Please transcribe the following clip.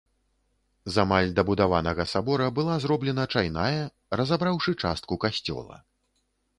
З амаль дабудаванага сабора была зроблена чайная, разабраўшы частку касцёла.